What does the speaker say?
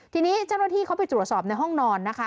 ทีนี้เจ้าหน้าที่เขาไปตรวจสอบในห้องนอนนะคะ